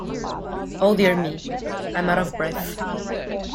Oh, dear me, I'm out of breath.